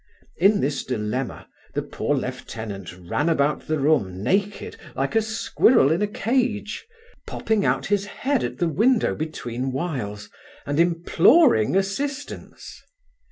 In this dilemma the poor lieutenant ran about the room naked like a squirrel in a cage, popping out his bead at the window between whiles, and imploring assistance.